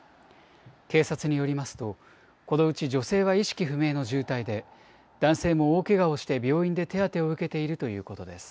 警察によりますと、このうち女性は意識不明の重体で、男性も大けがをして病院で手当てを受けているということです。